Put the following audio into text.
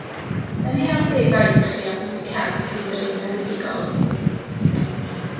Yn ei arddegau dechreuodd wneud celf yn ei dref enedigol